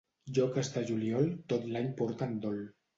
Lloques de juliol tot l'any porten dol.